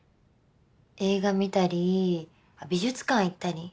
映画見たり美術館行ったり。